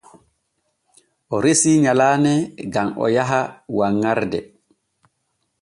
O resi nyalaane gam o yaha wanŋarde.